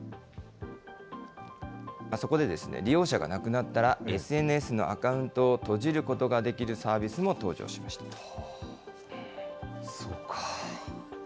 そこで利用者が亡くなったら、ＳＮＳのアカウントを閉じることができるサービスも登場しました。